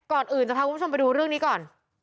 ก่อนอื่นจะพาคุณผู้ชมไปดูเรื่องนี้ก่อน